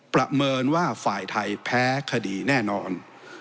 ประเมินว่าฝ่ายไทยแพ้คดีแน่นอน